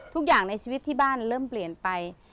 ทุกอย่างในชีวิตที่บ้านเริ่มเปลี่ยนไป